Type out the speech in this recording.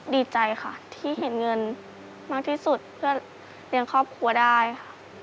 ดีใจค่ะที่เห็นเงินมากที่สุดเพื่อเลี้ยงครอบครัวได้ค่ะ